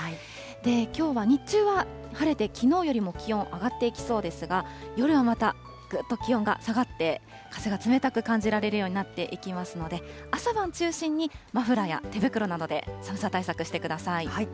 きょうは日中は晴れて、きのうよりも気温上がっていきそうですが、夜はまたぐっと気温が下がって、風が冷たく感じられるようになっていきますので、朝晩中心に、マフラーや手袋などで寒さ対策してください。